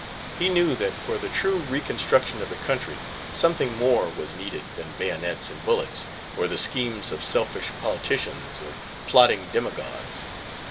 He knew that for the true reconstruction of the country something more was needed than bayonets and bullets, or the schemes of selfish politicians or plotting demagogues.